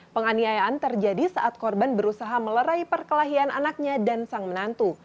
penganiayaan terjadi saat korban berusaha melerai perkelahian anaknya dan sang menantu